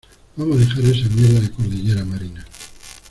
vamos a dejar esa mierda de cordillera marina.